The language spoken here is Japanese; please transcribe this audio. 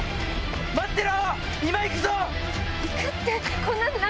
待ってろ！